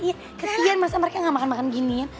iya kesian masa mereka gak makan makan giniin